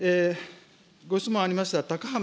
ご質問ありました高浜